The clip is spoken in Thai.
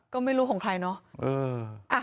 ก็ไม่รู้ของใครเนาะ